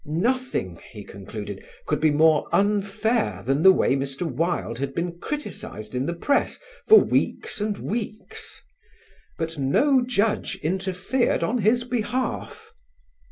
Nothing, he concluded, could be more unfair than the way Mr. Wilde had been criticised in the press for weeks and weeks. But no judge interfered on his behalf.